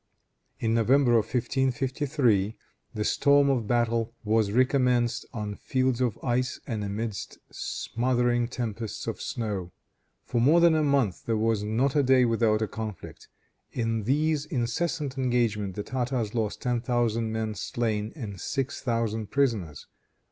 In November of 1553, the storm of battle was recommenced on fields of ice, and amidst smothering tempests of snow. For more than a month there was not a day without a conflict. In these incessant engagements the Tartars lost ten thousand men slain and six thousand prisoners.